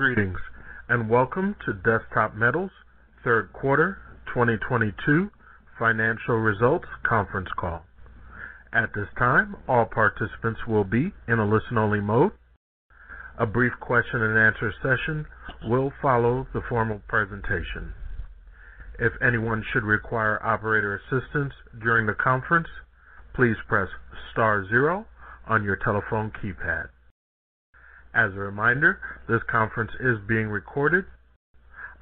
Greetings, and welcome to Desktop Metal's Third Quarter 2022 Financial Results Conference Call. At this time, all participants will be in a listen-only mode. A brief question and answer session will follow the formal presentation. If anyone should require operator assistance during the conference, please press star zero on your telephone keypad. As a reminder, this conference is being recorded.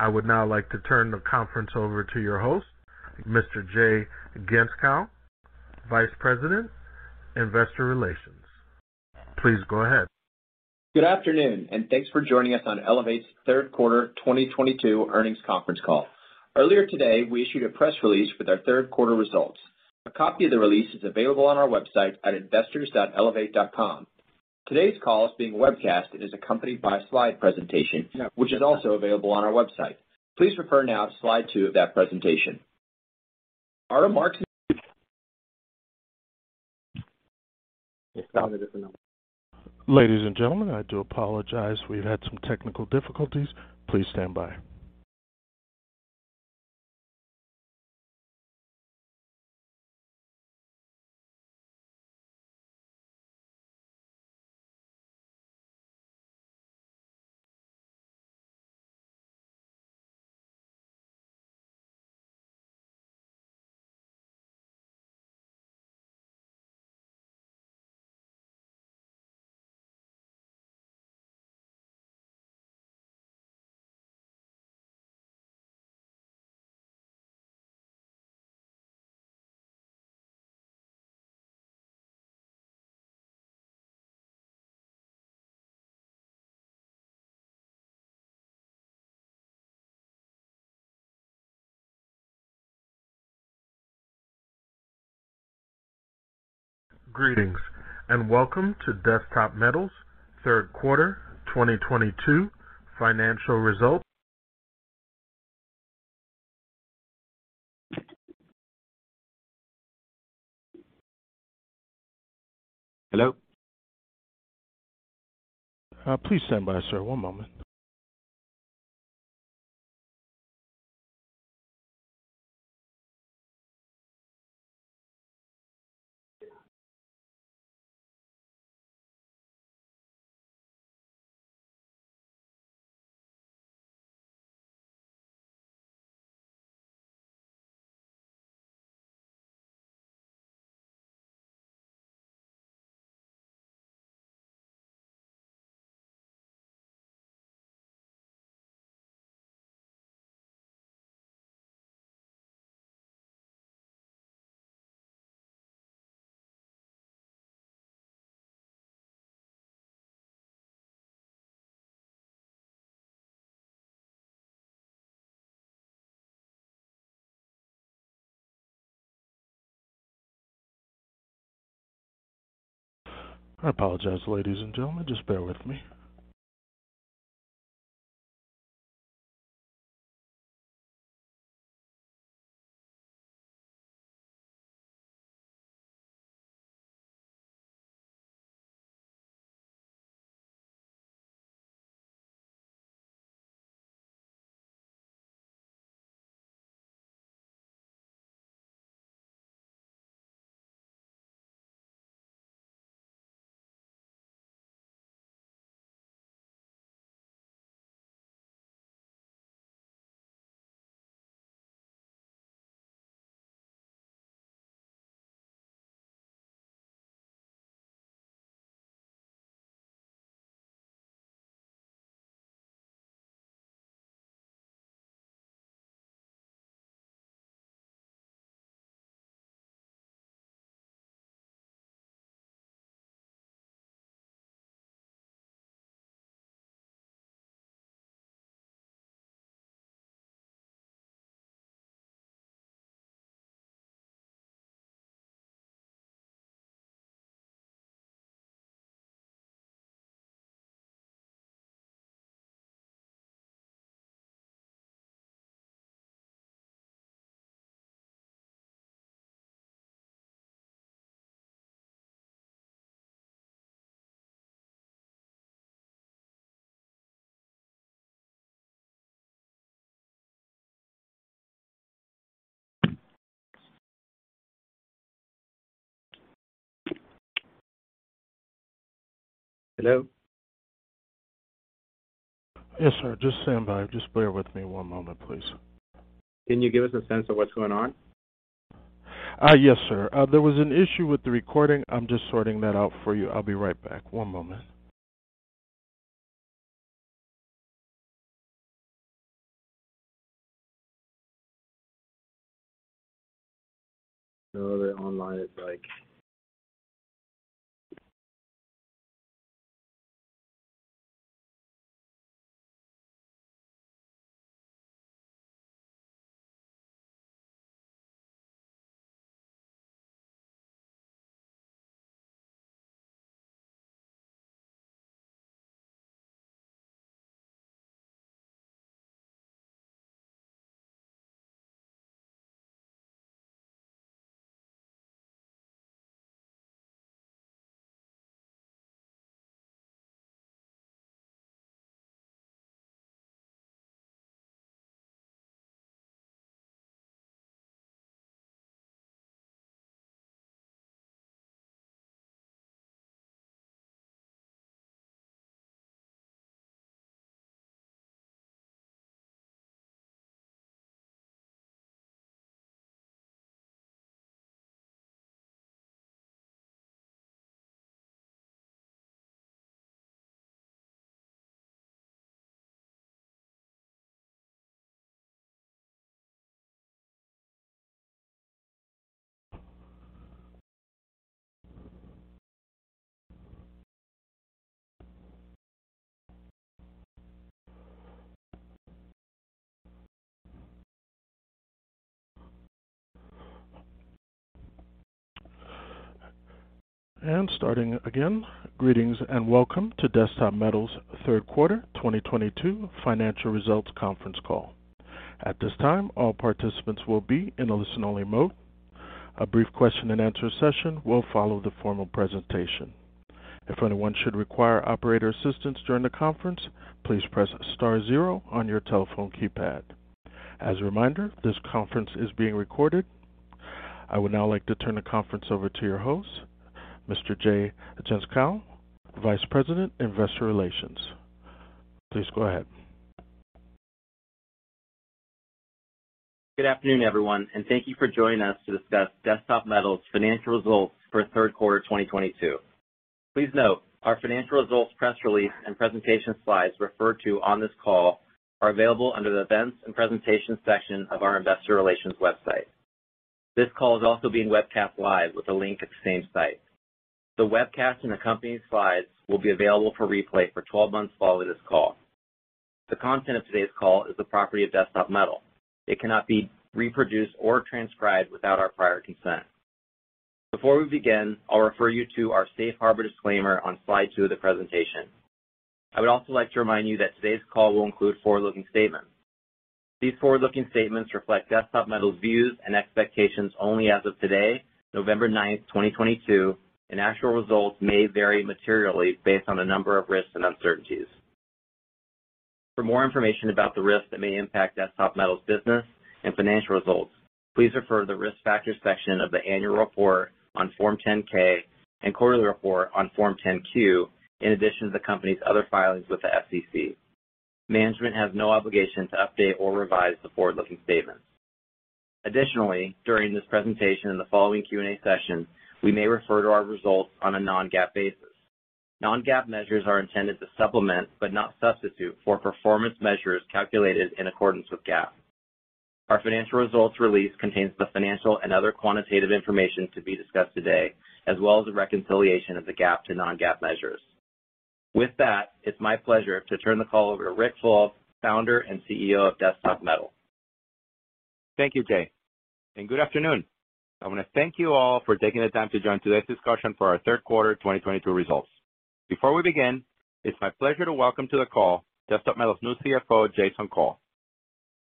I would now like to turn the conference over to your host, Mr. Jay Gentzkow, Vice President, Investor Relations. Please go ahead. Good afternoon, and thanks for joining us on Desktop Metal's Third Quarter 2022 Earnings Conference Call. Earlier today, we issued a press release with our 3rd quarter results. A copy of the release is available on our website at ir.desktopmetal.com. Today's call is being webcast and is accompanied by a slide presentation, which is also available on our website. Please refer now to slide 2 of that presentation. Our remarks. Ladies and gentlemen, I do apologize. We've had some technical difficulties. Please stand by. Greetings, and welcome to Desktop Metal's Third Quarter 2022 Financial Results. Hello? Please stand by, sir. One moment. No, the line is like. I apologize, ladies and gentlemen. Just bear with me. Greetings and welcome to Desktop Metal's Third Quarter 2022 Financial Results Conference Call. At this time, all participants will be in a listen-only mode. A brief question-and-answer session will follow the formal presentation. If anyone should require operator assistance during the conference, please press star zero on your telephone keypad. As a reminder, this conference is being recorded. I would now like to turn the conference over to your host, Mr. Jay Gentzkow, Vice President, Investor Relations. Please go ahead. Good afternoon, everyone, and thank you for joining us to discuss Desktop Metal's Financial Results for Third Quarter 2022. Please note, our financial results press release and presentation slides referred to on this call are available under the Events and Presentations section of our investor relations website. This call is also being webcast live with a link at the same site. The webcast and accompanying slides will be available for replay for 12 months following this call. The content of today's call is the property of Desktop Metal. It cannot be reproduced or transcribed without our prior consent. Before we begin, I'll refer you to our safe harbor disclaimer on slide 2 of the presentation. I would also like to remind you that today's call will include forward-looking statements. These forward-looking statements reflect Desktop Metal's views and expectations only as of today, November 9th, 2022, and actual results may vary materially based on a number of risks and uncertainties. For more information about the risks that may impact Desktop Metal's business and financial results, please refer to the Risk Factors section of the annual report on Form 10-K and quarterly report on Form 10-Q, in addition to the company's other filings with the SEC. Management has no obligation to update or revise the forward-looking statements. Additionally, during this presentation and the following Q&A session, we may refer to our results on a non-GAAP basis. Non-GAAP measures are intended to supplement, but not substitute for, performance measures calculated in accordance with GAAP. Our financial results release contains the financial and other quantitative information to be discussed today, as well as a reconciliation of the GAAP to non-GAAP measures. With that, it's my pleasure to turn the call over to Ric Fulop, Founder and CEO of Desktop Metal. Thank you, Jay, and good afternoon. I want to thank you all for taking the time to join today's discussion for our 3rd quarter 2022 results. Before we begin, it's my pleasure to welcome to the call Desktop Metal's new CFO, Jason Cole.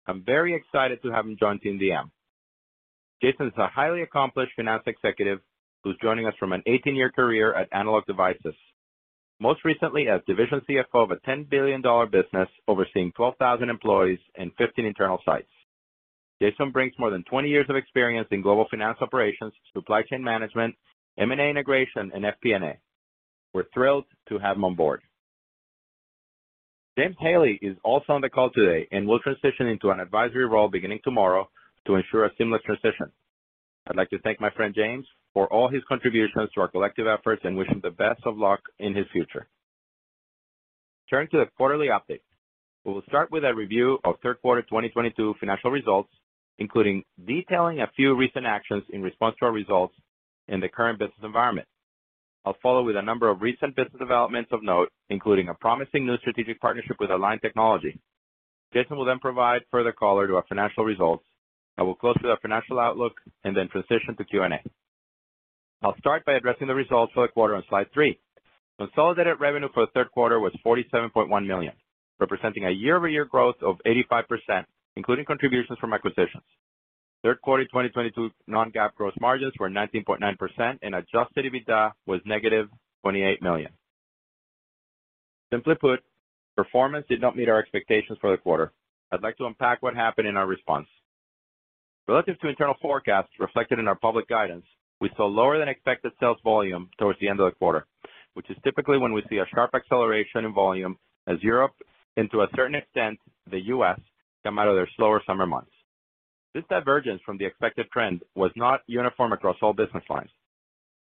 I'm very excited to have him join Team DM. Jason is a highly accomplished finance executive who's joining us from an 18-year career at Analog Devices, most recently as Division CFO of a $10 billion business, overseeing 12,000 employees and 15 internal sites. Jason brings more than 20 years of experience in global finance operations, supply chain management, M&A integration, and FP&A. We're thrilled to have him on board. James Haley is also on the call today and will transition into an advisory role beginning tomorrow to ensure a seamless transition. I'd like to thank my friend James for all his contributions to our collective efforts and wish him the best of luck in his future. Turning to the quarterly update. We will start with a review of 3rd quarter 2022 financial results, including detailing a few recent actions in response to our results in the current business environment. I'll follow with a number of recent business developments of note, including a promising new strategic partnership with Align Technology. Jason will then provide further color to our financial results. I will close with our financial outlook and then transition to Q&A. I'll start by addressing the results for the quarter on slide 3. Consolidated revenue for the third quarter was $47.1 million, representing a year-over-year growth of 85%, including contributions from acquisitions. Third quarter 2022 non-GAAP gross margins were 19.9% and adjusted EBITDA was $-28 million. Simply put, performance did not meet our expectations for the quarter. I'd like to unpack what happened in our response. Relative to internal forecasts reflected in our public guidance, we saw lower than expected sales volume toward the end of the quarter, which is typically when we see a sharp acceleration in volume as Europe, and to a certain extent, the U.S., come out of their slower summer months. This divergence from the expected trend was not uniform across all business lines.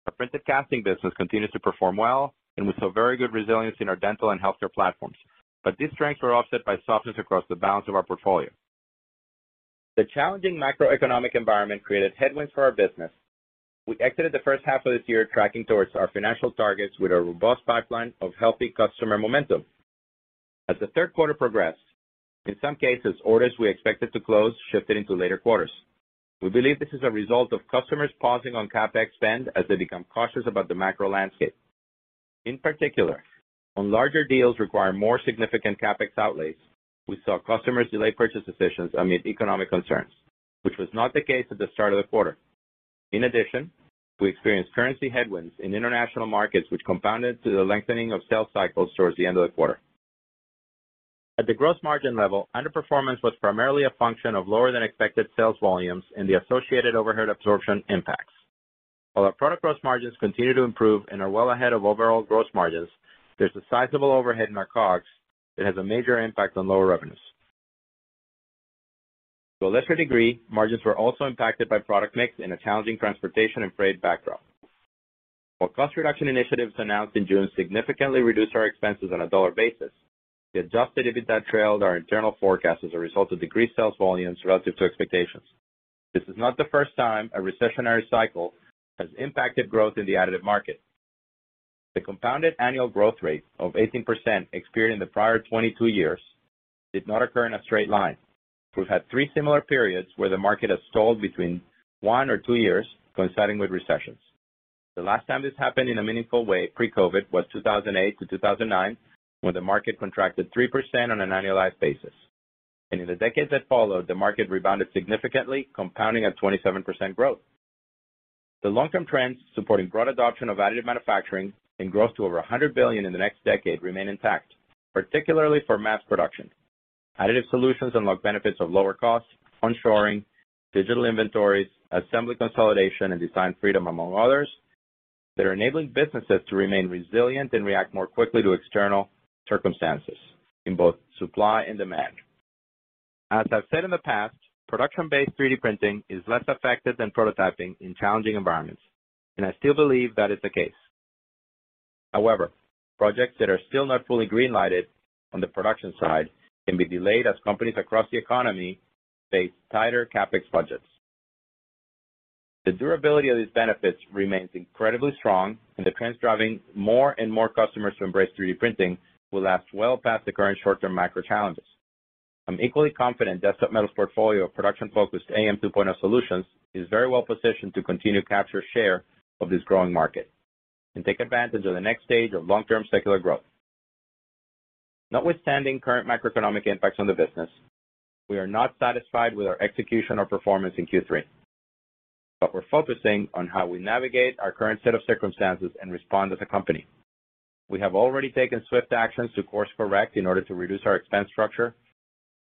Our printed casting business continued to perform well, and we saw very good resilience in our dental and healthcare platforms. These strengths were offset by softness across the balance of our portfolio. The challenging macroeconomic environment created headwinds for our business. We exited the 1st half of this year tracking towards our financial targets with a robust pipeline of healthy customer momentum. As the 3rd quarter progressed, in some cases, orders we expected to close shifted into later quarters. We believe this is a result of customers pausing on CapEx spend as they become cautious about the macro landscape. In particular, on larger deals require more significant CapEx outlays. We saw customers delay purchase decisions amid economic concerns, which was not the case at the start of the quarter. In addition, we experienced currency headwinds in international markets, which compounded to the lengthening of sales cycles towards the end of the quarter. At the gross margin level, underperformance was primarily a function of lower than expected sales volumes and the associated overhead absorption impacts. While our product gross margins continue to improve and are well ahead of overall gross margins, there's a sizable overhead in our COGS that has a major impact on lower revenues. To a lesser degree, margins were also impacted by product mix in a challenging transportation and freight backdrop. While cost reduction initiatives announced in June significantly reduced our expenses on a dollar basis, the adjusted EBITDA trailed our internal forecast as a result of decreased sales volumes relative to expectations. This is not the first time a recessionary cycle has impacted growth in the additive market. The compounded annual growth rate of 18% experienced in the prior 22 years did not occur in a straight line. We've had three similar periods where the market has stalled between one or two years, coinciding with recessions. The last time this happened in a meaningful way pre-COVID was 2008 to 2009, when the market contracted 3% on an annualized basis. In the decades that followed, the market rebounded significantly, compounding at 27% growth. The long-term trends supporting broad adoption of additive manufacturing and growth to over $100 billion in the next decade remain intact, particularly for mass production. Additive solutions unlock benefits of lower costs, onshoring, digital inventories, assembly consolidation, and design freedom, among others, that are enabling businesses to remain resilient and react more quickly to external circumstances in both supply and demand. As I've said in the past, production-based 3D printing is less effective than prototyping in challenging environments, and I still believe that is the case. However, projects that are still not fully green-lighted on the production side can be delayed as companies across the economy face tighter CapEx budgets. The durability of these benefits remains incredibly strong, and the trends driving more and more customers to embrace 3D printing will last well past the current short-term macro challenges. I'm equally confident Desktop Metal's portfolio of production-focused AM 2.0 solutions is very well positioned to continue to capture share of this growing market and take advantage of the next stage of long-term secular growth. Notwithstanding current macroeconomic impacts on the business, we are not satisfied with our execution or performance in Q3, but we're focusing on how we navigate our current set of circumstances and respond as a company. We have already taken swift actions to course correct in order to reduce our expense structure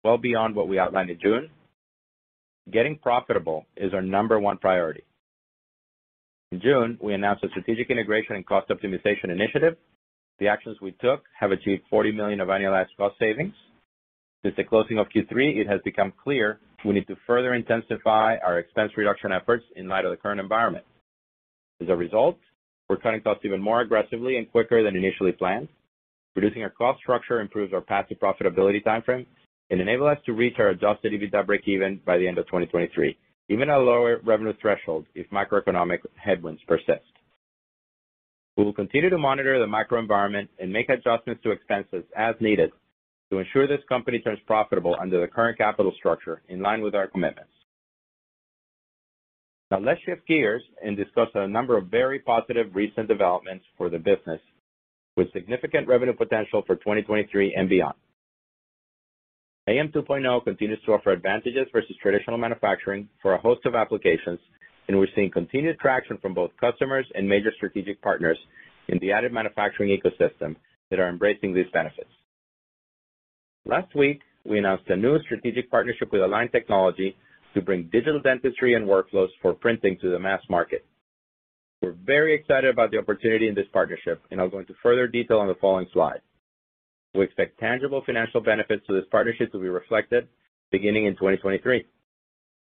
well beyond what we outlined in June. Getting profitable is our number one priority. In June, we announced a strategic integration and cost optimization initiative. The actions we took have achieved $40 million of annualized cost savings. Since the closing of Q3, it has become clear we need to further intensify our expense reduction efforts in light of the current environment. As a result, we're cutting costs even more aggressively and quicker than initially planned. Reducing our cost structure improves our path to profitability timeframe and enable us to reach our adjusted EBITDA breakeven by the end of 2023, even at a lower revenue threshold if macroeconomic headwinds persist. We will continue to monitor the macro environment and make adjustments to expenses as needed to ensure this company turns profitable under the current capital structure in line with our commitments. Now let's shift gears and discuss a number of very positive recent developments for the business with significant revenue potential for 2023 and beyond. AM 2.0 continues to offer advantages versus traditional manufacturing for a host of applications, and we're seeing continued traction from both customers and major strategic partners in the additive manufacturing ecosystem that are embracing these benefits. Last week, we announced a new strategic partnership with Align Technology to bring digital dentistry and workflows for printing to the mass market. We're very excited about the opportunity in this partnership and I'll go into further detail on the following slide. We expect tangible financial benefits to this partnership to be reflected beginning in 2023.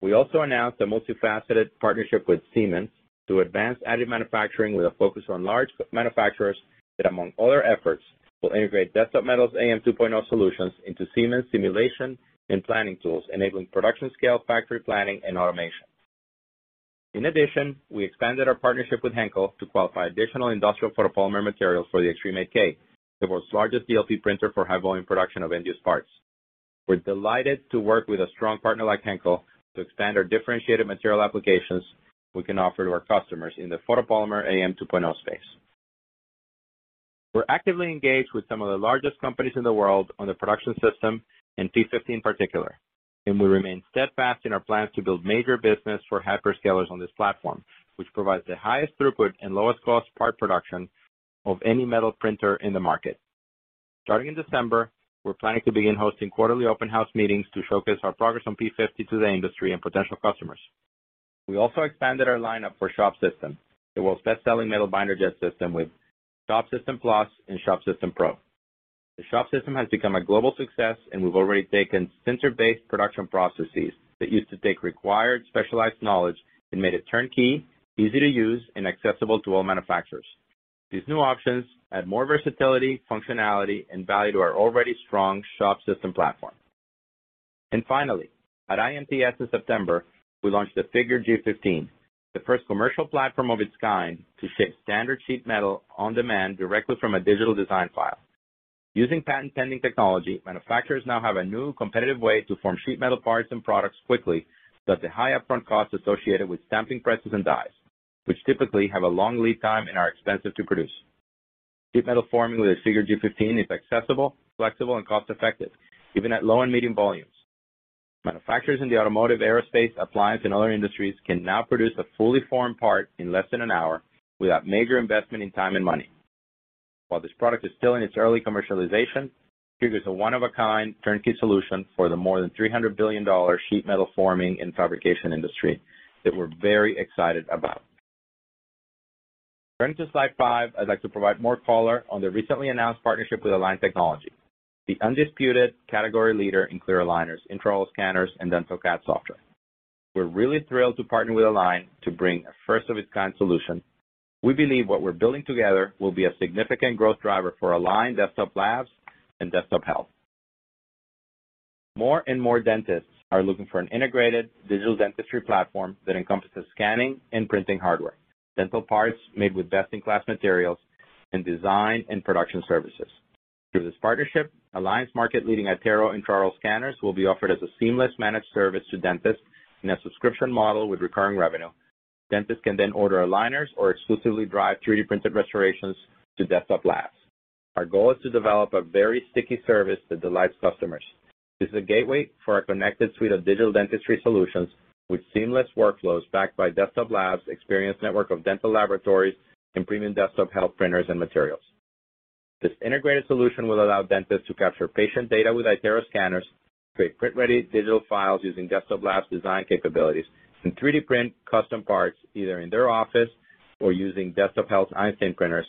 We also announced a multifaceted partnership with Siemens to advance additive manufacturing with a focus on large manufacturers that, among other efforts, will integrate Desktop Metal's AM 2.0 solutions into Siemens simulation and planning tools, enabling production scale, factory planning, and automation. In addition, we expanded our partnership with Henkel to qualify additional industrial photopolymer materials for the Xtreme 8K, the world's largest DLP printer for high-volume production of end-use parts. We're delighted to work with a strong partner like Henkel to expand our differentiated material applications we can offer to our customers in the photopolymer AM 2.0 space. We're actively engaged with some of the largest companies in the world on the Production System™ and P-50 in particular, and we remain steadfast in our plans to build major business for hyperscalers on this platform, which provides the highest throughput and lowest cost part production of any metal printer in the market. Starting in December, we're planning to begin hosting quarterly open house meetings to showcase our progress on P-50 to the industry and potential customers. We also expanded our lineup for Shop System, the world's best-selling metal binder jet system with Shop System+ and Shop System Pro. The Shop System has become a global success, and we've already taken center-based production processes that used to require specialized knowledge and made it turnkey, easy to use, and accessible to all manufacturers. These new options add more versatility, functionality, and value to our already strong Shop System platform. Finally, at IMTS in September, we launched the Figur G15, the first commercial platform of its kind to shape standard sheet metal on demand directly from a digital design file. Using patent pending technology, manufacturers now have a new competitive way to form sheet metal parts and products quickly without the high upfront costs associated with stamping presses and dies, which typically have a long lead time and are expensive to produce. Sheet metal forming with a Figur G15 is accessible, flexible, and cost-effective, even at low and medium volumes. Manufacturers in the automotive, aerospace, appliance, and other industries can now produce a fully formed part in less than an hour without major investment in time and money. While this product is still in its early commercialization, Figur G15 is a one-of-a-kind turnkey solution for the more than $300 billion sheet metal forming and fabrication industry that we're very excited about. Turning to slide 5, I'd like to provide more color on the recently announced partnership with Align Technology, the undisputed category leader in clear aligners, intraoral scanners, and dental CAD software. We're really thrilled to partner with Align to bring a first of its kind solution. We believe what we're building together will be a significant growth driver for Align, Desktop Labs, and Desktop Health. More and more dentists are looking for an integrated digital dentistry platform that encompasses scanning and printing hardware, dental parts made with best-in-class materials, and design and production services. Through this partnership, Align's market-leading iTero intraoral scanners will be offered as a seamless managed service to dentists in a subscription model with recurring revenue. Dentists can then order aligners or exclusively drive 3D printed restorations to Desktop Labs. Our goal is to develop a very sticky service that delights customers. This is a gateway for our connected suite of digital dentistry solutions with seamless workflows backed by Desktop Labs' experienced network of dental laboratories and premium Desktop Health printers and materials. This integrated solution will allow dentists to capture patient data with iTero scanners, create print-ready digital files using Desktop Labs' design capabilities, and 3D print custom parts either in their office or using Desktop Health's Einstein printers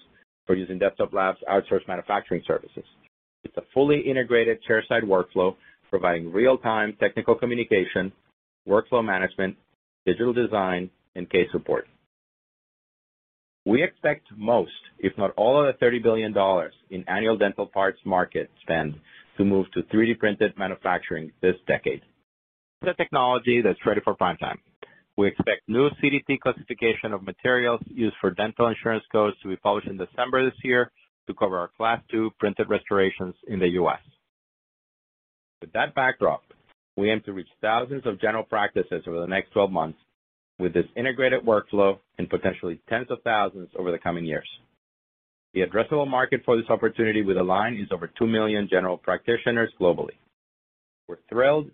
or using Desktop Labs' outsource manufacturing services. It's a fully integrated chairside workflow providing real-time technical communication, workflow management, digital design, and case support. We expect most, if not all, of the $30 billion in annual dental parts market spend to move to 3D printed manufacturing this decade. The technology that's ready for prime time. We expect new CDT classification of materials used for dental insurance codes to be published in December this year to cover our Class II printed restorations in the U.S. With that backdrop, we aim to reach thousands of general practices over the next 12 months with this integrated workflow and potentially tens of thousands over the coming years. The addressable market for this opportunity with Align is over two million general practitioners globally. We're thrilled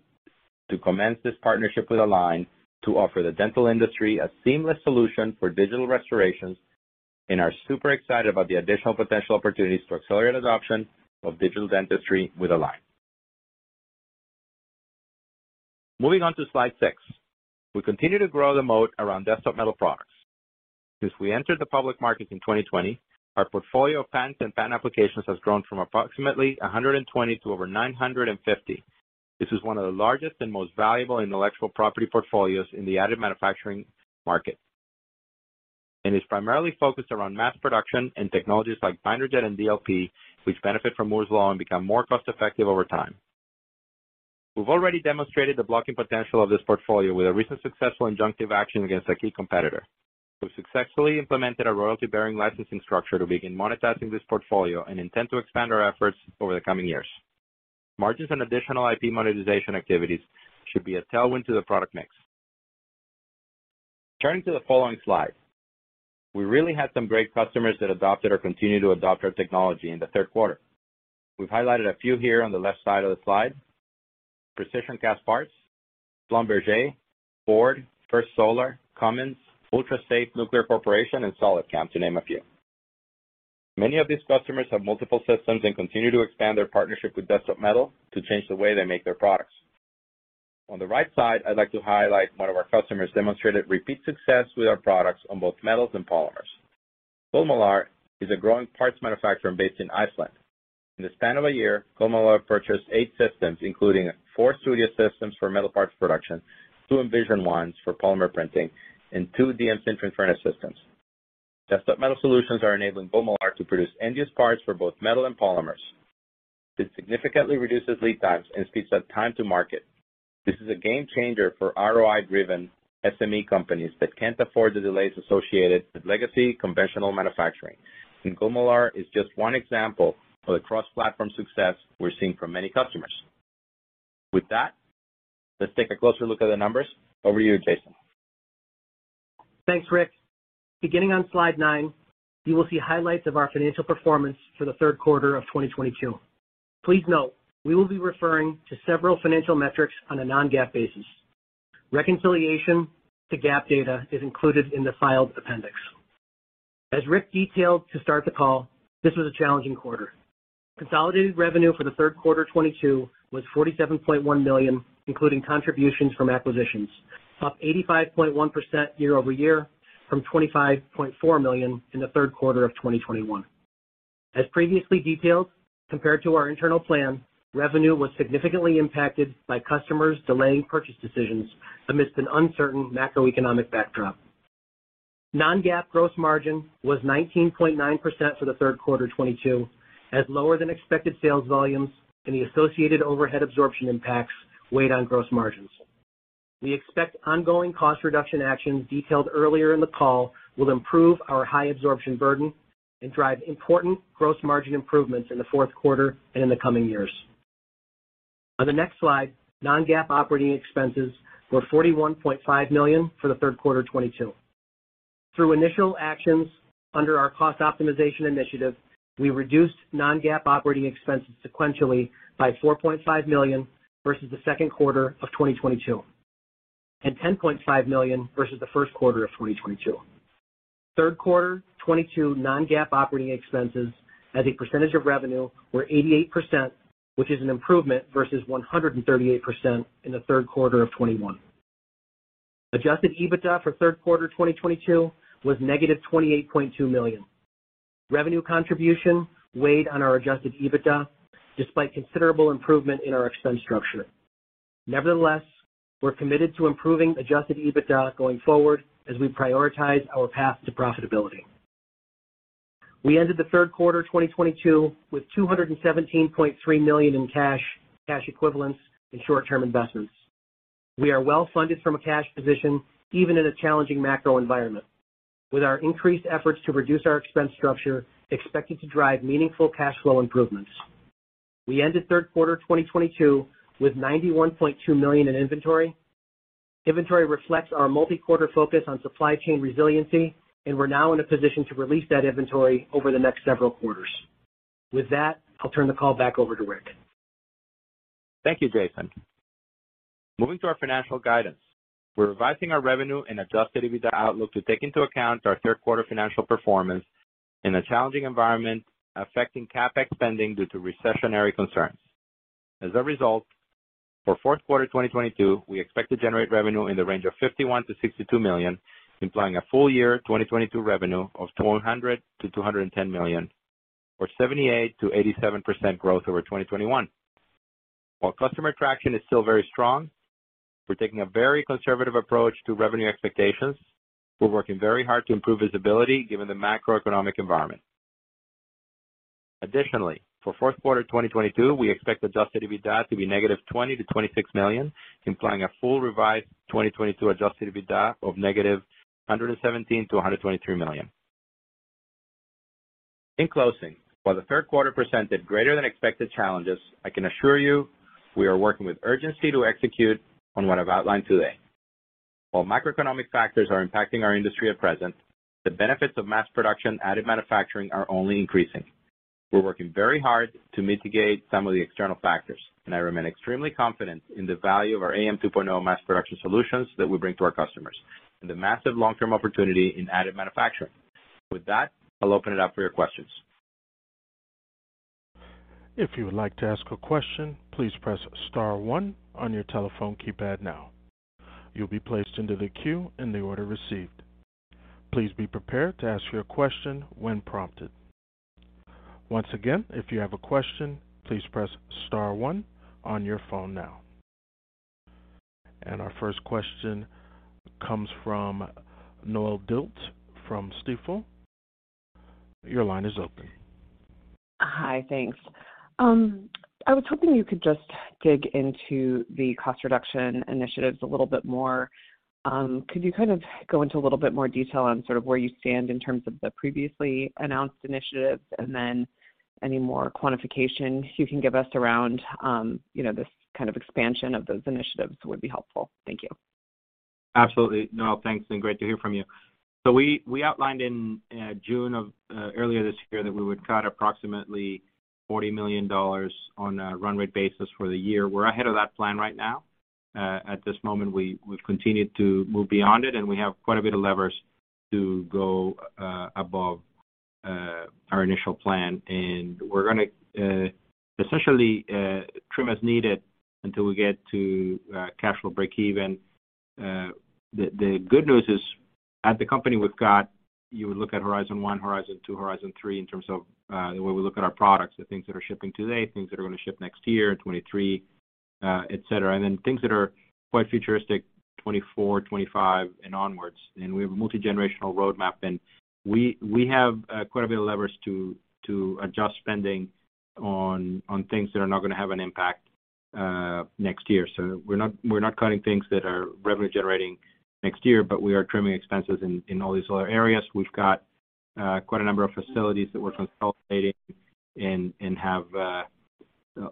to commence this partnership with Align to offer the dental industry a seamless solution for digital restorations and are super excited about the additional potential opportunities to accelerate adoption of digital dentistry with Align. Moving on to slide 6. We continue to grow the moat around Desktop Metal products. Since we entered the public market in 2020, our portfolio of patents and patent applications has grown from approximately 120 to over 950. This is one of the largest and most valuable intellectual property portfolios in the additive manufacturing market, and is primarily focused around mass production and technologies like binder jet and DLP, which benefit from Moore's Law and become more cost-effective over time. We've already demonstrated the blocking potential of this portfolio with a recent successful injunctive action against a key competitor. We've successfully implemented a royalty-bearing licensing structure to begin monetizing this portfolio and intend to expand our efforts over the coming years. Margins and additional IP monetization activities should be a tailwind to the product mix. Turning to the following slide. We really had some great customers that adopted or continue to adopt our technology in the 3rd quarter. We've highlighted a few here on the left side of the slide. Precision Castparts, Schlumberger, Ford, First Solar, Cummins, Ultra Safe Nuclear Corporation, and SolidCAM, to name a few. Many of these customers have multiple systems and continue to expand their partnership with Desktop Metal to change the way they make their products. On the right side, I'd like to highlight one of our customers demonstrated repeat success with our products on both metals and polymers. Gullmálur is a growing parts manufacturer based in Iceland. In the span of a year, Gullmálur purchased eight systems, including four Studio Systems for metal parts production, two Envision One for polymer printing, and two DM Sinter furnace systems. Desktop Metal solutions are enabling Gullmálur to produce endless parts for both metal and polymers. This significantly reduces lead times and speeds up time to market. This is a game changer for ROI-driven SME companies that can't afford the delays associated with legacy conventional manufacturing. Gullmálur is just one example of the cross-platform success we're seeing from many customers. With that, let's take a closer look at the numbers. Over to you, Jason. Thanks, Ric. Beginning on slide 9, you will see highlights of our financial performance for the 3rd quarter of 2022. Please note, we will be referring to several financial metrics on a non-GAAP basis. Reconciliation to GAAP data is included in the filed appendix. As Ric detailed to start the call, this was a challenging quarter. Consolidated revenue for the 3rd quarter 2022 was $47.1 million, including contributions from acquisitions, up 85.1% year-over-year from $25.4 million in the 3rd quarter of 2021. As previously detailed, compared to our internal plan, revenue was significantly impacted by customers delaying purchase decisions amidst an uncertain macroeconomic backdrop. Non-GAAP gross margin was 19.9% for the 3rd quarter 2022 as lower than expected sales volumes and the associated overhead absorption impacts weighed on gross margins. We expect ongoing cost reduction actions detailed earlier in the call will improve our high absorption burden and drive important gross margin improvements in the 4th quarter and in the coming years. On the next slide, non-GAAP operating expenses were $41.5 million for the 3rd quarter 2022. Through initial actions under our cost optimization initiative, we reduced non-GAAP operating expenses sequentially by $4.5 million versus the 2nd quarter of 2022, and $10.5 million versus the 1st quarter of 2022. 3rd quarter 2022 non-GAAP operating expenses as a percentage of revenue were 88%, which is an improvement versus 138% in the 3rd quarter of 2021. Adjusted EBITDA for 3rd quarter 2022 was $-28.2 million. Revenue contribution weighed on our adjusted EBITDA despite considerable improvement in our expense structure. Nevertheless, we're committed to improving adjusted EBITDA going forward as we prioritize our path to profitability. We ended the 3rd quarter 2022 with $217.3 million in cash equivalents, and short-term investments. We are well-funded from a cash position, even in a challenging macro environment, with our increased efforts to reduce our expense structure expected to drive meaningful cash flow improvements. We ended 3rd quarter 2022 with $91.2 million in inventory. Inventory reflects our multi-quarter focus on supply chain resiliency, and we're now in a position to release that inventory over the next several quarters. With that, I'll turn the call back over to Ric. Thank you, Jason. Moving to our financial guidance, we're revising our revenue and adjusted EBITDA outlook to take into account our 3rd quarter financial performance in a challenging environment affecting CapEx spending due to recessionary concerns. As a result, for 4th quarter 2022, we expect to generate revenue in the range of $51 million-$62 million, implying a full year 2022 revenue of $200 million-$210 million, or 78%-87% growth over 2021. While customer traction is still very strong, we're taking a very conservative approach to revenue expectations. We're working very hard to improve visibility given the macroeconomic environment. Additionally, for 4th quarter 2022, we expect adjusted EBITDA to be $-20 million to $26 million, implying a full revised 2022 adjusted EBITDA of $-117 million to $123 million. In closing, while the 3rd quarter presented greater than expected challenges, I can assure you we are working with urgency to execute on what I've outlined today. While macroeconomic factors are impacting our industry at present, the benefits of mass production additive manufacturing are only increasing. We're working very hard to mitigate some of the external factors, and I remain extremely confident in the value of our AM 2.0 mass production solutions that we bring to our customers and the massive long-term opportunity in additive manufacturing. With that, I'll open it up for your questions. If you would like to ask a question, please press star one on your telephone keypad now. You'll be placed into the queue in the order received. Please be prepared to ask your question when prompted. Once again, if you have a question, please press star one on your phone now. Our first question comes from Noelle Dilts from Stifel. Your line is open. Hi. Thanks. I was hoping you could just dig into the cost reduction initiatives a little bit more. Could you kind of go into a little bit more detail on sort of where you stand in terms of the previously announced initiatives and then any more quantification you can give us around, you know, this kind of expansion of those initiatives would be helpful. Thank you. Absolutely. Noelle, thanks, and great to hear from you. We outlined in June of earlier this year that we would cut approximately $40 million on a run rate basis for the year. We're ahead of that plan right now. At this moment we've continued to move beyond it, and we have quite a bit of levers to go above our initial plan, and we're gonna essentially trim as needed until we get to cash flow breakeven. The good news is at the company we've got. You would look at horizon one, horizon two, horizon three in terms of the way we look at our products, the things that are shipping today, things that are gonna ship next year, 2023, et cetera. Things that are quite futuristic, 2024, 2025 and onwards. We have a multi-generational roadmap, and we have quite a bit of levers to adjust spending on things that are not gonna have an impact next year. We're not cutting things that are revenue generating next year, but we are trimming expenses in all these other areas. We've got quite a number of facilities that we're consolidating and have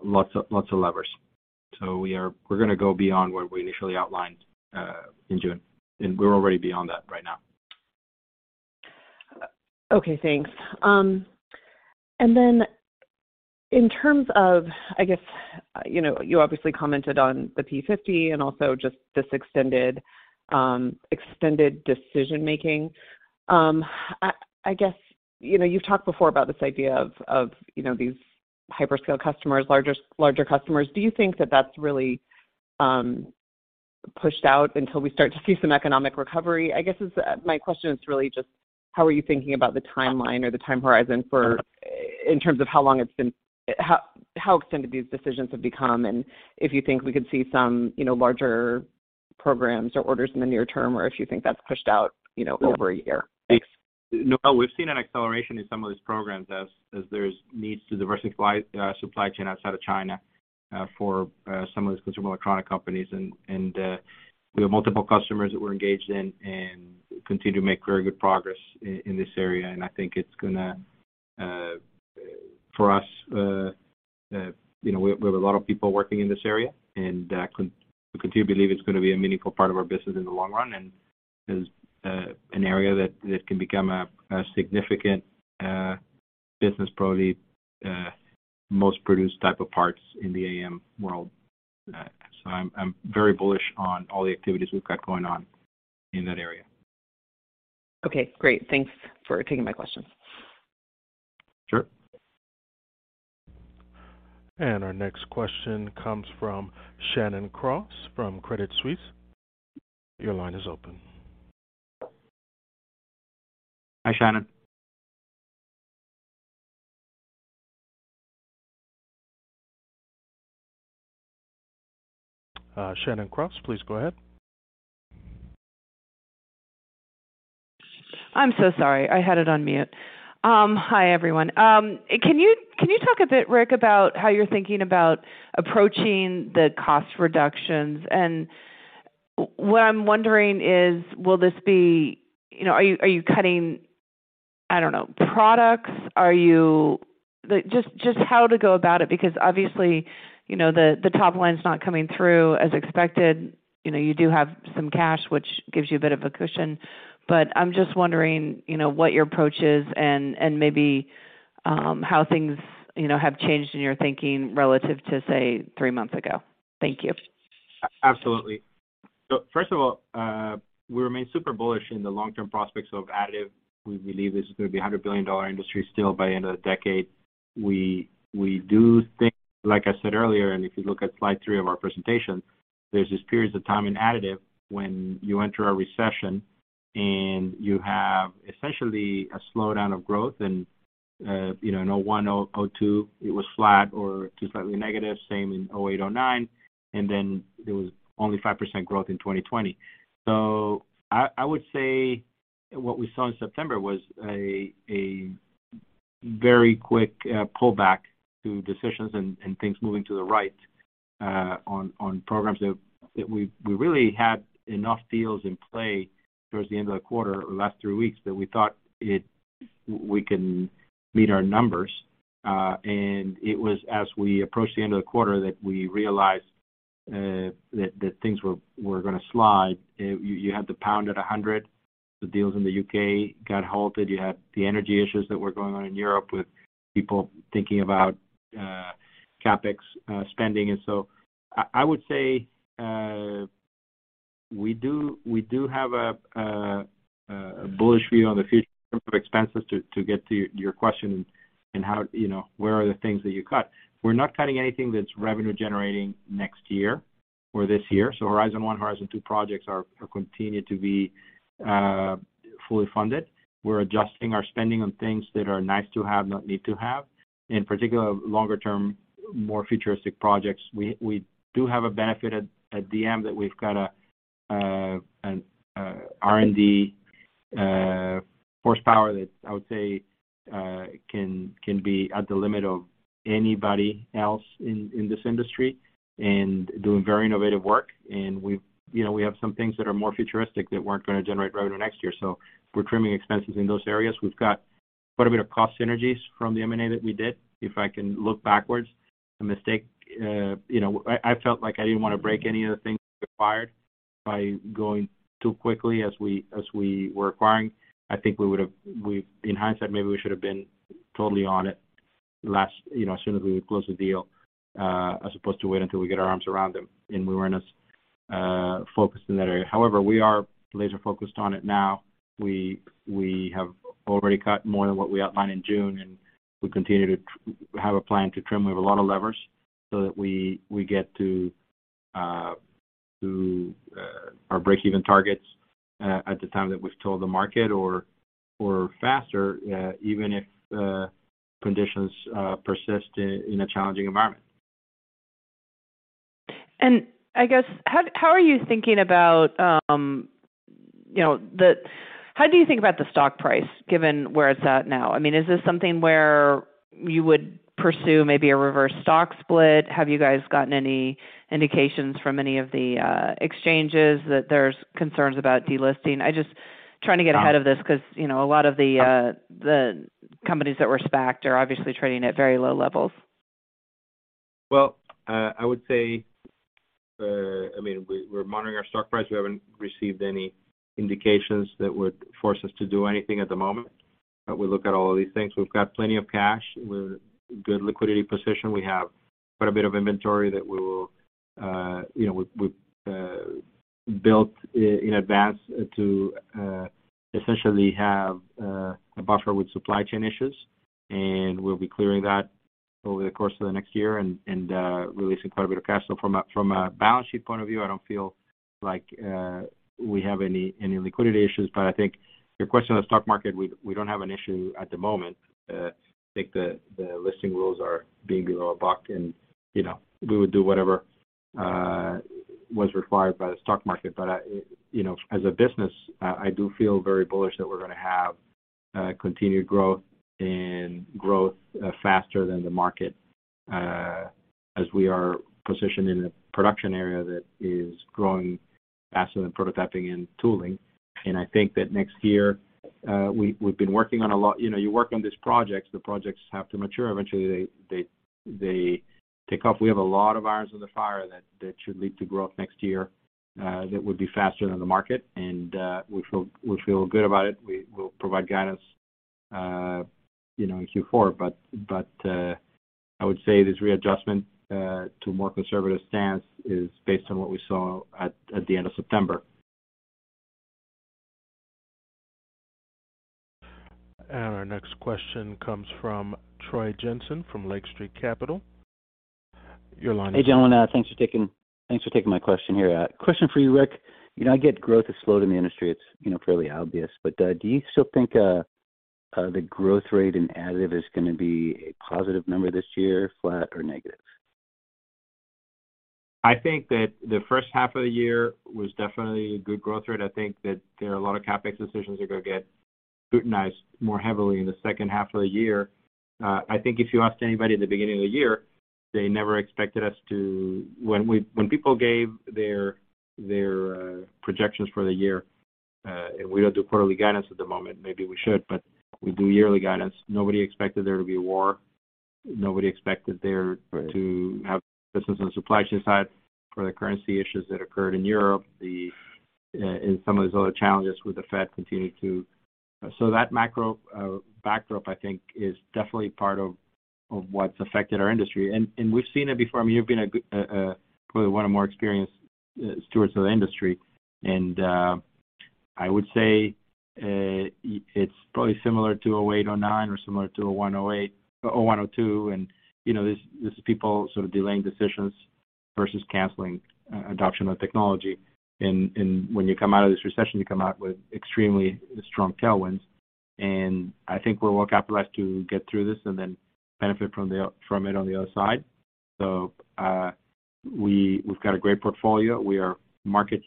lots of levers. We're gonna go beyond what we initially outlined in June, and we're already beyond that right now. Okay, thanks. In terms of, I guess, you know, you obviously commented on the P-50 and also just this extended decision-making. I guess, you know, you've talked before about this idea of these hyperscale customers, larger customers. Do you think that that's really pushed out until we start to see some economic recovery? My question is really just how are you thinking about the timeline or the time horizon for, in terms of how long it's been, how extended these decisions have become and if you think we could see some larger programs or orders in the near term or if you think that's pushed out over a year. No, we've seen an acceleration in some of these programs as there's a need to diversify the supply chain outside of China for some of those consumer electronics companies. We have multiple customers that we're engaged with and continue to make very good progress in this area. I think it's gonna for us, you know, we have a lot of people working in this area, and we continue to believe it's gonna be a meaningful part of our business in the long run, and is an area that can become a significant business, probably most produced type of parts in the AM world. I'm very bullish on all the activities we've got going on in that area. Okay, great. Thanks for taking my question. Sure. Our next question comes from Shannon Cross from Credit Suisse. Your line is open. Hi, Shannon. Shannon Cross, please go ahead. I'm so sorry. I had it on mute. Hi, everyone. Can you talk a bit, Rick, about how you're thinking about approaching the cost reductions? What I'm wondering is, will this be, you know, are you cutting, I don't know, products? Are you just how to go about it, because obviously, you know, the top line's not coming through as expected. You know, you do have some cash, which gives you a bit of a cushion. But I'm just wondering, you know, what your approach is and maybe how things, you know, have changed in your thinking relative to, say, three months ago. Thank you. Absolutely. First of all, we remain super bullish in the long-term prospects of additive. We believe this is gonna be a $100 billion industry still by end of the decade. We do think, like I said earlier, and if you look at slide 3 of our presentation, there's these periods of time in additive when you enter a recession and you have essentially a slowdown of growth. You know, in 2001, 2002, it was flat or down slightly negative, same in 2008, 2009, and then there was only 5% growth in 2020. I would say what we saw in September was a very quick pullback to decisions and things moving to the right on programs that we really had enough deals in play towards the end of the quarter or last three weeks that we thought we can meet our numbers. It was as we approached the end of the quarter that we realized that things were gonna slide. You had the pound at 100. The deals in the U.K. got halted. You had the energy issues that were going on in Europe with people thinking about CapEx spending. I would say we do have a bullish view on the future of expenses to get to your question in how, you know, where are the things that you cut. We're not cutting anything that's revenue generating next year or this year. Horizon One, Horizon Two projects are continued to be fully funded. We're adjusting our spending on things that are nice to have, not need to have, in particular, longer term, more futuristic projects. We do have a benefit at DM that we've got an R&D horsepower that I would say can be at the limit of anybody else in this industry and doing very innovative work. We've, you know, we have some things that are more futuristic that weren't gonna generate revenue next year, so we're trimming expenses in those areas. We've got quite a bit of cost synergies from the M&A that we did. If I can look backwards, a mistake, you know, I felt like I didn't wanna break any of the things required by going too quickly as we were acquiring. I think in hindsight, maybe we should have been totally on it last, you know, as soon as we would close the deal, as opposed to wait until we get our arms around them, and we weren't as focused in that area. However, we are laser focused on it now. We have already cut more than what we outlined in June, and we continue to have a plan to trim. We have a lot of levers so that we get to our break-even targets at the time that we've told the market or faster, even if conditions persist in a challenging environment. How do you think about the stock price given where it's at now? I mean, is this something where you would pursue maybe a reverse stock split? Have you guys gotten any indications from any of the exchanges that there's concerns about delisting? I'm just trying to get ahead of this 'cause, you know, a lot of the companies that were SPAC'd are obviously trading at very low levels. Well, I would say, I mean, we're monitoring our stock price. We haven't received any indications that would force us to do anything at the moment. We look at all of these things. We've got plenty of cash. We're in a good liquidity position. We have quite a bit of inventory that we will, you know, we built in advance to essentially have a buffer with supply chain issues, and we'll be clearing that over the course of the next year and releasing quite a bit of cash. So from a balance sheet point of view, I don't feel like we have any liquidity issues. I think your question on the stock market, we don't have an issue at the moment. I think the listing rules are being below a buck and, you know, we would do whatever was required by the stock market. You know, as a business, I do feel very bullish that we're going to have continued growth faster than the market, as we are positioned in a production area that is growing faster than prototyping and tooling. I think that next year, we've been working on a lot. You know, you work on these projects, the projects have to mature. Eventually they take off. We have a lot of irons in the fire that should lead to growth next year that would be faster than the market, and we feel good about it. We will provide guidance, you know, in Q4. I would say this readjustment to a more conservative stance is based on what we saw at the end of September. Our next question comes from Troy Jensen from Lake Street Capital Markets. Your line is open. Hey, gentlemen, thanks for taking my question here. Question for you, Ric. You know, I get growth has slowed in the industry. It's, you know, fairly obvious. Do you still think the growth rate in additive is gonna be a positive number this year, flat or negative? I think that the 1st half of the year was definitely a good growth rate. I think that there are a lot of CapEx decisions that are going to get scrutinized more heavily in the 2nd half of the year. I think if you asked anybody at the beginning of the year, when people gave their projections for the year, and we don't do quarterly guidance at the moment. Maybe we should, but we do yearly guidance. Nobody expected there to be a war. Nobody expected there to have business on the supply chain side for the currency issues that occurred in Europe. Some of these other challenges with the Fed continuing to. That macro backdrop, I think, is definitely part of what's affected our industry. We've seen it before. I mean, you've been a guy, probably one of the more experienced stewards of the industry. I would say it's probably similar to 2008, 2009 or similar to 2001, 2002. You know, this is people sort of delaying decisions versus canceling adoption of technology. When you come out of this recession, you come out with extremely strong tailwinds. I think we're well-capitalized to get through this and then benefit from it on the other side. We've got a great portfolio. We are market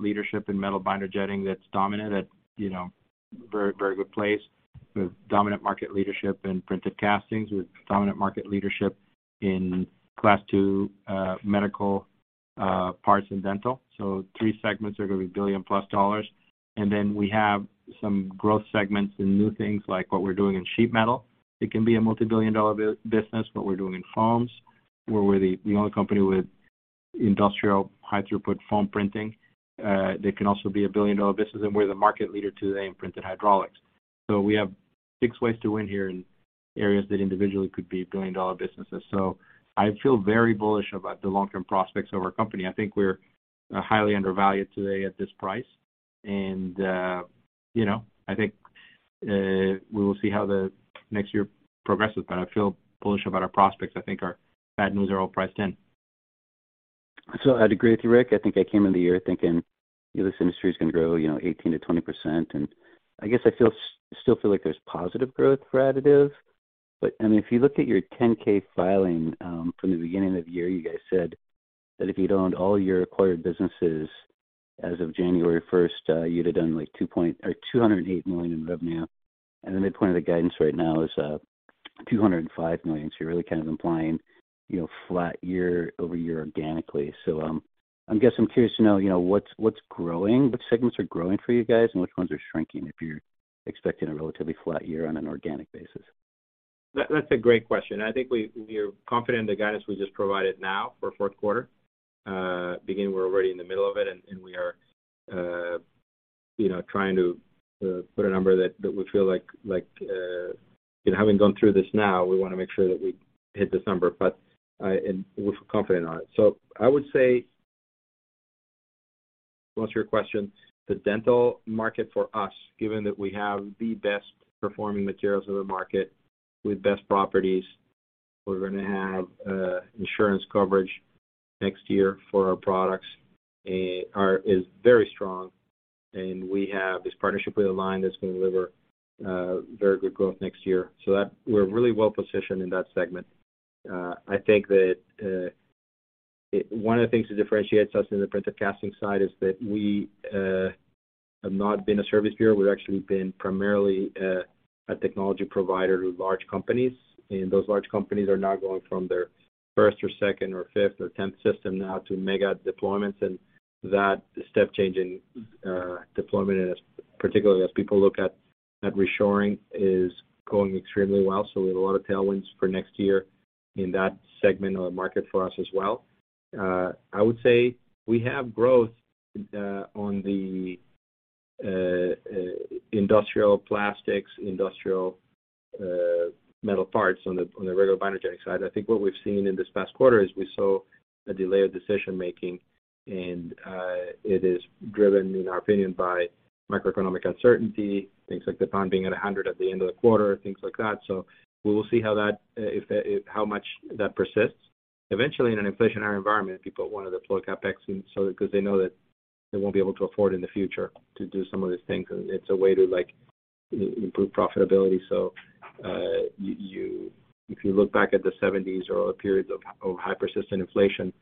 leadership in metal binder jetting that's dominant at, you know, very, very good place. We have dominant market leadership in printed castings. We have dominant market leadership in Class II medical parts and dental. Three segments are going to be billion-plus dollars. We have some growth segments in new things like what we're doing in sheet metal. It can be a multi-billion-dollar business, what we're doing in foams, where we're the only company with industrial high throughput foam printing. That can also be a billion-dollar business, and we're the market leader today in printed hydraulics. We have six ways to win here in areas that individually could be billion-dollar businesses. I feel very bullish about the long-term prospects of our company. I think we're highly undervalued today at this price. I think we will see how the next year progresses, but I feel bullish about our prospects. I think our bad news are all priced in. I'd agree with you, Ric. I think I came into the year thinking this industry is going to grow, you know, 18%-20%. I guess I still feel like there's positive growth for additive. I mean, if you look at your 10-K filing from the beginning of the year, you guys said that if you'd owned all your acquired businesses as of January 1st, you'd have done like $208 million in revenue. The midpoint of the guidance right now is $205 million. You're really kind of implying, you know, flat year-over-year organically. I guess I'm curious to know, you know, what's growing, what segments are growing for you guys, and which ones are shrinking if you're expecting a relatively flat year on an organic basis? That's a great question, and I think we are confident in the guidance we just provided now for 4th quarter. Beginning, we're already in the middle of it, and we are, you know, trying to put a number that we feel like, you know, having gone through this now, we want to make sure that we hit this number, but, and we feel confident on it. So I would say to answer your question, the dental market for us, given that we have the best performing materials in the market with best properties, we're going to have insurance coverage next year for our products is very strong. We have this partnership with Align that's going to deliver very good growth next year. So that we're really well positioned in that segment. I think that one of the things that differentiates us in the printed casting side is that we have not been a service bureau. We've actually been primarily a technology provider to large companies, and those large companies are now going from their first or second or fifth or tenth system now to mega deployments. That step change in deployment, and particularly as people look at reshoring, is going extremely well. We have a lot of tailwinds for next year in that segment or market for us as well. I would say we have growth on the industrial plastics, industrial metal parts on the regular binder jetting side. I think what we've seen in this past quarter is we saw a delayed decision-making, and it is driven, in our opinion, by macroeconomic uncertainty, things like the pound being at 100 at the end of the quarter, things like that. We will see how much that persists. Eventually in an inflationary environment, people want to deploy CapEx and so 'cause they know that they won't be able to afford in the future to do some of these things. It's a way to like improve profitability. If you look back at the seventies or periods of hyper-persistent inflation,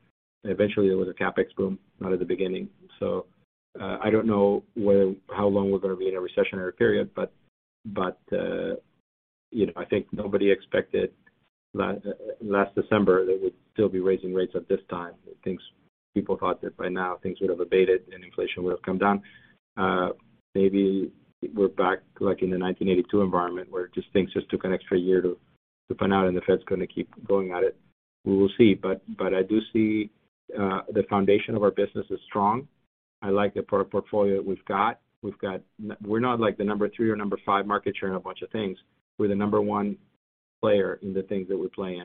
eventually there was a CapEx boom, not at the beginning. I don't know how long we're gonna be in a recessionary period. You know, I think nobody expected last December they would still be raising rates at this time. People thought that by now things would have abated and inflation would have come down. Maybe we're back, like, in the 1982 environment where things took an extra year to pan out and the Fed's gonna keep going at it. We will see. I do see the foundation of our business is strong. I like the portfolio we've got. We're not, like, the number three or number five market share in a bunch of things. We're the number one player in the things that we play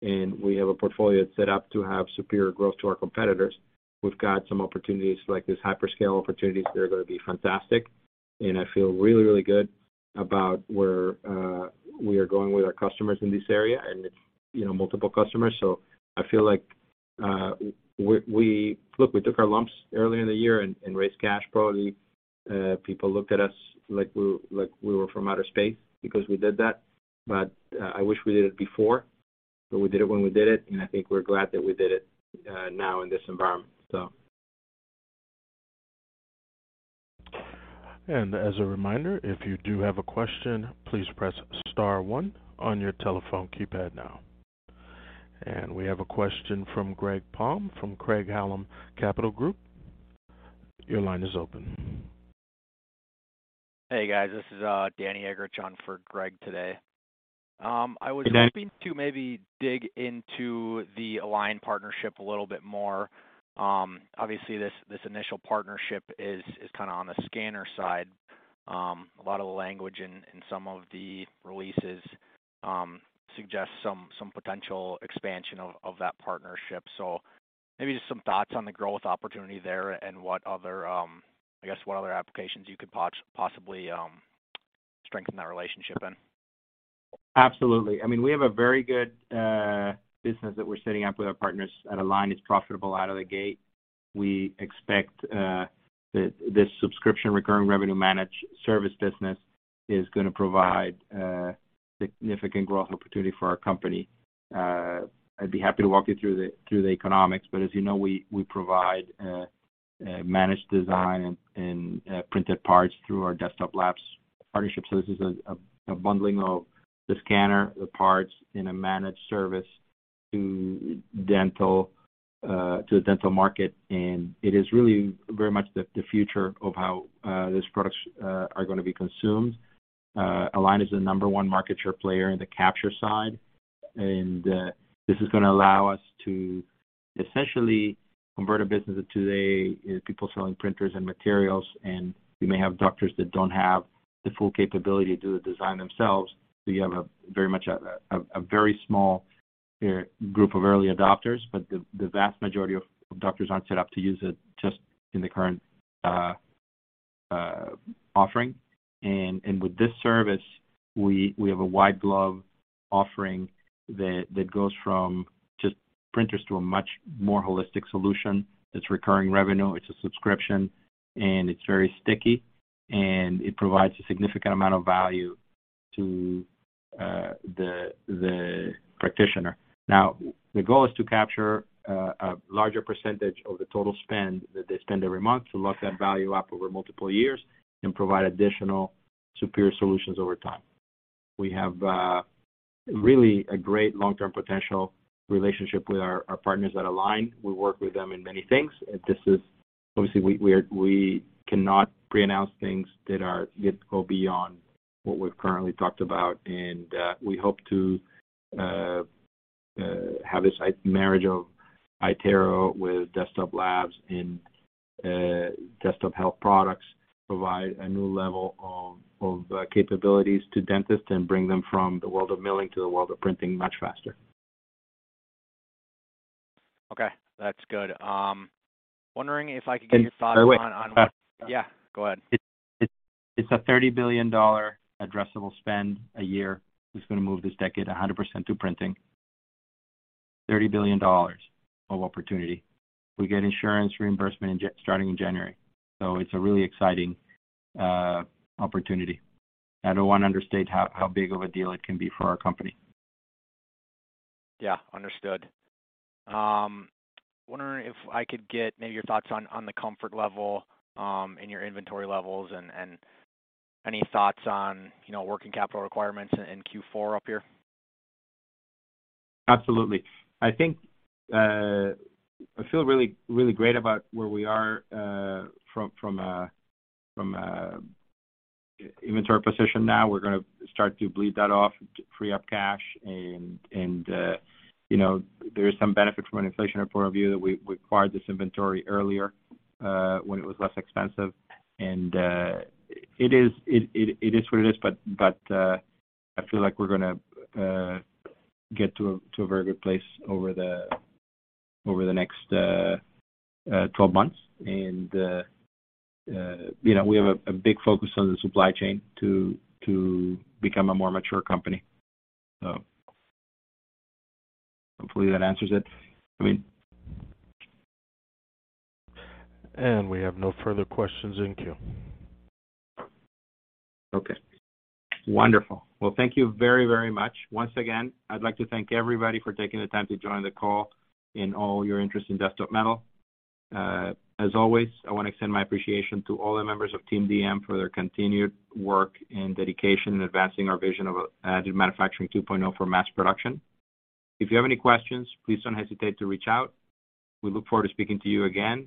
in. We have a portfolio that's set up to have superior growth to our competitors. We've got some opportunities like this hyperscale opportunities that are going to be fantastic. I feel really, really good about where we are going with our customers in this area and, you know, multiple customers. I feel like we Look, we took our lumps earlier in the year and raised cash. Probably, people looked at us like we were from outer space because we did that. I wish we did it before, but we did it when we did it, and I think we're glad that we did it now in this environment. As a reminder, if you do have a question, please press star one on your telephone keypad now. We have a question from Greg Palm from Craig-Hallum Capital Group. Your line is open. Hey, guys. This is Danny Eggerichs checking for Greg today. I was. Hey, Danny. Hoping to maybe dig into the Align partnership a little bit more. Obviously, this initial partnership is kind of on the scanner side. A lot of the language in some of the releases suggests some potential expansion of that partnership. Maybe just some thoughts on the growth opportunity there and what other, I guess, what other applications you could possibly strengthen that relationship in. Absolutely. I mean, we have a very good business that we're setting up with our partners at Align. It's profitable out of the gate. We expect this subscription recurring revenue managed service business is gonna provide significant growth opportunity for our company. I'd be happy to walk you through the economics, but as you know, we provide a managed design and printed parts through our Desktop Labs partnership. This is a bundling of the scanner, the parts in a managed service to the dental market. It is really very much the future of how these products are gonna be consumed. Align is the number one market share player in the capture side. This is gonna allow us to essentially convert a business that today is people selling printers and materials, and you may have doctors that don't have the full capability to do the design themselves. You have a very much a very small group of early adopters, but the vast majority of doctors aren't set up to use it just in the current offering. With this service, we have a white glove offering that goes from just printers to a much more holistic solution. It's recurring revenue, it's a subscription, and it's very sticky, and it provides a significant amount of value to the practitioner. Now, the goal is to capture a larger percentage of the total spend that they spend every month to lock that value up over multiple years and provide additional superior solutions over time. We have really a great long-term potential relationship with our partners at Align. We work with them in many things. Obviously, we cannot pre-announce things that go beyond what we've currently talked about. We hope to have this marriage of iTero with Desktop Labs and Desktop Health products provide a new level of capabilities to dentists and bring them from the world of milling to the world of printing much faster. Okay, that's good. Wondering if I could get your thoughts on. By the way. Yeah, go ahead. It's a $30 billion addressable spend a year that's going to move this decade 100% to printing. $30 billion of opportunity. We get insurance reimbursement starting in January. It's a really exciting opportunity. I don't want to understate how big of a deal it can be for our company. Yeah, understood. Wondering if I could get maybe your thoughts on the comfort level in your inventory levels and any thoughts on, you know, working capital requirements in Q4 up here. Absolutely. I think I feel really great about where we are from a inventory position now. We're gonna start to bleed that off to free up cash and you know there is some benefit from an inflation point of view that we acquired this inventory earlier when it was less expensive. It is what it is but I feel like we're gonna get to a very good place over the next 12 months. You know we have a big focus on the supply chain to become a more mature company. So hopefully that answers it. I mean. We have no further questions in queue. Okay. Wonderful. Well, thank you very, very much. Once again, I'd like to thank everybody for taking the time to join the call and all your interest in Desktop Metal. As always, I want to extend my appreciation to all the members of Team DM for their continued work and dedication in advancing our vision of additive manufacturing 2.0 for mass production. If you have any questions, please don't hesitate to reach out. We look forward to speaking to you again,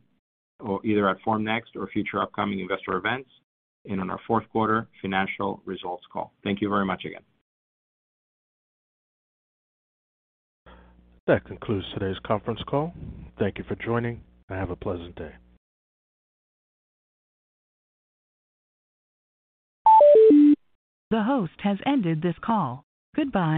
or either at Formnext or future upcoming investor events and on our 4th quarter financial results call. Thank you very much again. That concludes today's conference call. Thank you for joining, and have a pleasant day.